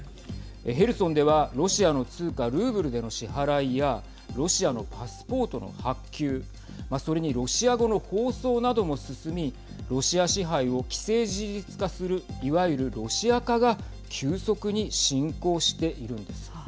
ヘルソンではロシアの通貨ルーブルでの支払いやロシアのパスポートの発給それにロシア語の放送なども進みロシア支配を既成事実化するいわゆるロシア化が急速に進行しているんです。